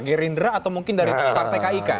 gerindra atau mungkin dari partai kik